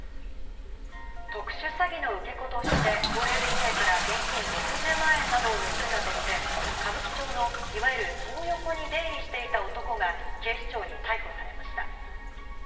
特殊詐欺の受け子として高齢女性から現金６０万円などを盗んだとして、歌舞伎町のいわゆる、トー横に出入りしていた男が警視庁に逮捕されました。